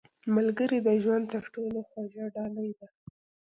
• ملګری د ژوند تر ټولو خوږه ډالۍ ده.